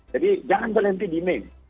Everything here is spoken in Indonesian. jadi jangan berhenti di main